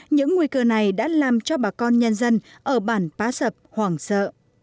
những nguy cơ này đã làm cho bà con nhân dân ở bản pá sập hoảng sợ